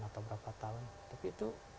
atau berapa tahun tapi itu